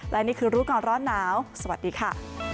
และนี่คือรู้ก่อนร้อนหนาวสวัสดีค่ะ